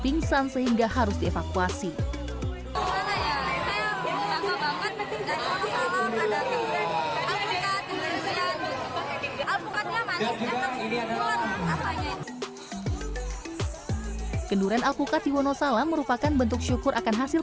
pingsan sehingga harus dievakuasi kenduren alpukat di wonosalam merupakan bentuk syukur akan hasil